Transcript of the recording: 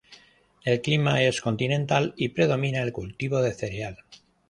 El clima es continental, y predomina el cultivo de cereal.